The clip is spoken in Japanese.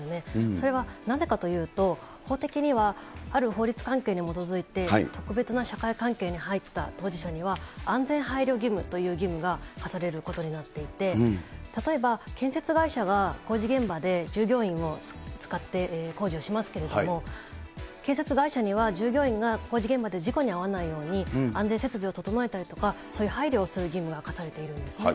それはなぜかというと、法的にはある法律関係に基づいて特別な社会関係に入った当事者には、安全配慮義務という義務が課されることになっていて、例えば建設会社が工事現場で従業員を使って工事をしますけれども、建設会社には従業員が工事現場で事故に遭わないように安全設備を整えたりとか、そういう配慮をする義務が課されているんですね。